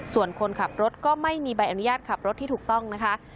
ส่วนคนขับรถก็ไม่มีใบอนุญาตขับรถที่ถูกต้องนะคะ